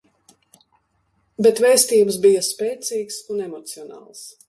Bet vēstījums bija spēcīgs un emocionāls.